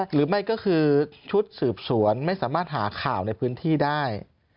หรือไม่ก็คือชุดสืบสวนไม่สามารถหาข่าวในพื้นที่ได้